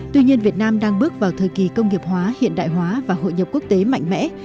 tuy nhiên việt nam đang bước vào thời kỳ công nghiệp hóa hiện đại hóa và hội nhập quốc tế mạnh mẽ